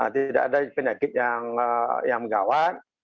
tidak ada penyakit yang gawat